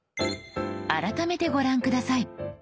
改めてご覧下さい。